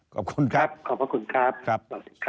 ขอบคุณครับขอบพระคุณครับ